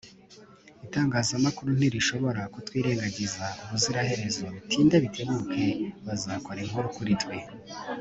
Itangazamakuru ntirishobora kutwirengagiza ubuziraherezo Bitinde bitebuke bazakora inkuru kuri twe